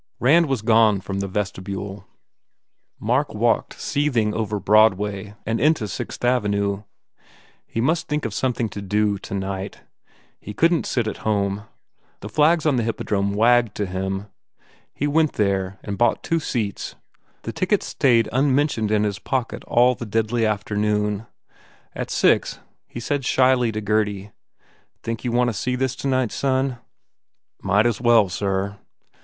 Rand was gone from the vesrtrbule. Mark walked seething over Broadway and into Sixth Avenue. He must think of something to do, to night. He couldn t sit at home. The flags on the Hippodrome wagged to him. He went there and bought two seats. The tickets stayed un mentioned in his pocket all the deadly afternoon. At six he said shyly to Gurdy, "Think you want to see this tonight, son?" 285 THE FAIR REWARDS "Might as well, sir."